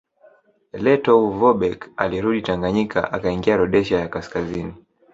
Lettow Vorbeck alirudi Tanganyika akaingia Rhodesia ya Kaskazini